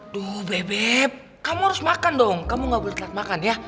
tuh bebek kamu harus makan dong kamu gak boleh telat makan ya